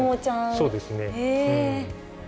そうですね。